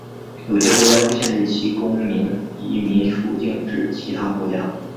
有些国家会限制其公民移民出境至其他国家。